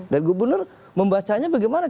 dan gubernur membacanya bagaimana